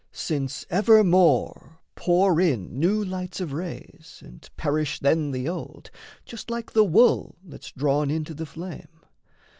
Since, evermore pour in New lights of rays, and perish then the old, Just like the wool that's drawn into the flame.